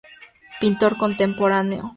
Pintor contemporáneo.